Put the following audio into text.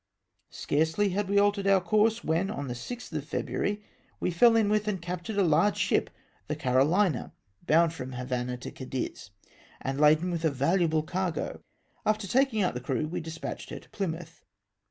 Scarcely had we altered our coiu se, when, on the 6 th of February, we fell in with and captm^ed a large ship, the Carolina, bound from the Havannah to Cadiz, and laden with a valuable cargo. After taking out the crew, we despatched her to Plymouth.